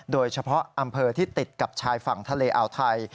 โดยเฉพาะอำเภอที่ติดกับชายฝั่งทะเลอาวไทย